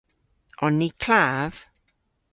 On ni klav?